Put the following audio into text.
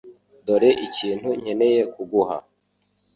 Dore ikintu nkeneye kuguha .